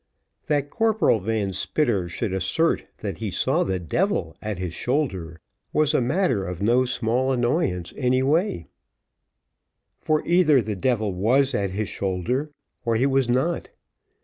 That Corporal Van Spitter should assert that he saw the devil at his shoulder, was a matter of no small annoyance any way; for either the devil was at his shoulder or he was not.